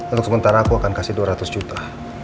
untuk sementara aku akan kasih dua ratus juta